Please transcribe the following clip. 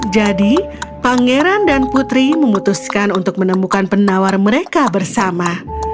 jadi pangeran dan putri memutuskan untuk menemukan penawar mereka bersama